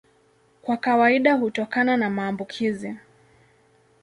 Kwa kawaida hutokana na maambukizi.